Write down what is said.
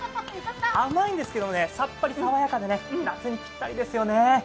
甘いんですけれどもさっぱり爽やかで夏にピッタリですよね。